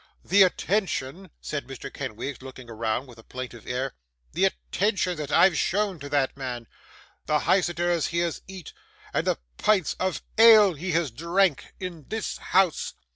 'The attention,' said Mr. Kenwigs, looking around with a plaintive air, 'the attention that I've shown to that man! The hyseters he has eat, and the pints of ale he has drank, in this house